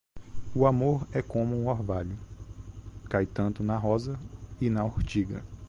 O amor é como um orvalho; cai tanto na rosa e na urtiga.